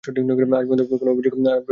আজ পর্যন্ত তো কোনো আভিযোগ আসে নাই।